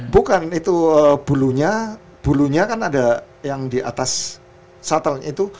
bukan itu bulunya bulunya kan ada yang di atas shuttle itu